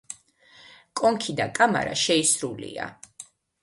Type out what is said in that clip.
კონქი და კამარა შეისრულია.